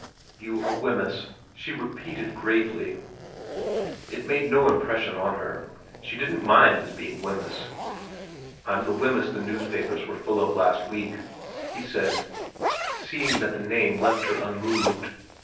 ' You are Wemyss,' she repeated gravely. It made no impression on her. She didn't mind his being Wemyss. 14 VERA n ' I'm the Wemyss the newspapers were full of last week,' he said, seeing that the name left her unmoved.